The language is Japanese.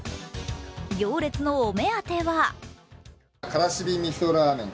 行列のお目当ては？